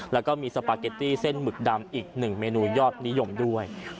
แล้วก็มีสปาเกตตี้เส้นหมึกดำอีกหนึ่งเมนูยอดนิยมด้วย